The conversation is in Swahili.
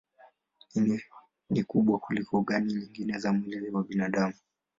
Ini ni kubwa kuliko ogani nyingine za mwili wa binadamu.